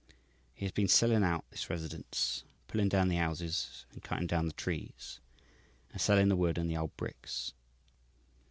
He has been selling out this residence, pulling down the houses and cutting down the trees, and selling the wood and old bricks.